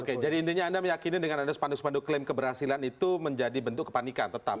oke jadi intinya anda meyakini dengan ada spanduk spanduk klaim keberhasilan itu menjadi bentuk kepanikan tetap